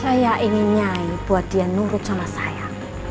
saya ingin nyai buat dia nurut sama saya